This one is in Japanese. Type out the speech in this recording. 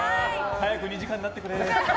早く２時間になってくれ。